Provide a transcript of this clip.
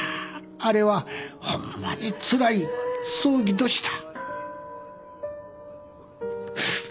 あれはホンマにつらい葬儀どした。